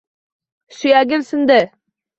Suyagim sindi.